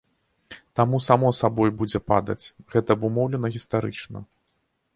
Таму само сабой будзе падаць, гэта абумоўлена гістарычна.